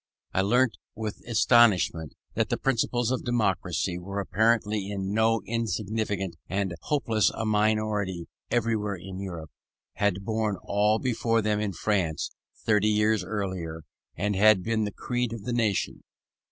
I learnt with astonishment that the principles of democracy, then apparently in so insignificant and hopeless a minority everywhere in Europe, had borne all before them in France thirty years earlier, and had been the creed of the nation.